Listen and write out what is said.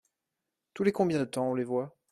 Tous les combien de temps on les voit ?